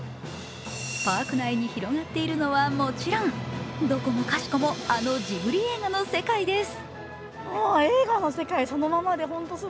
パーク内に広がっているのはもちろん、どこもかしこもあのジブリ映画の世界です。